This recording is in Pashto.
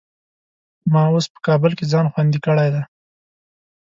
ما اوس په کابل کې ځان خوندي کړی دی.